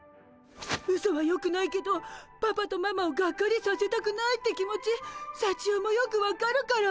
ウソはよくないけどパパとママをがっかりさせたくないって気持ちさちよもよく分かるから。